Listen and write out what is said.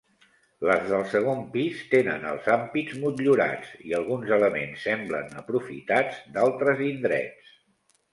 Les del segon pis tenen els ampits motllurats i alguns elements semblen aprofitats d'altres indrets.